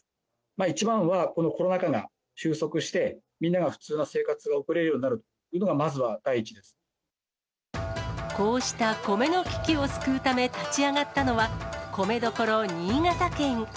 一番はこのコロナ禍が終息して、みんなが普通の生活を送れるようになるっていうのがまずは第一でこうした米の危機を救うため、立ち上がったのは、米どころ、新潟県。